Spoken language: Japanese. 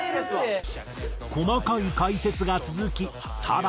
細かい解説が続き更に。